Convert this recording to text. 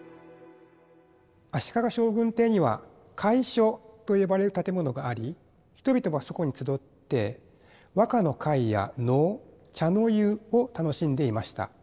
足利将軍邸には会所と呼ばれる建物があり人々がそこに集って和歌の会や能茶の湯を楽しんでいました。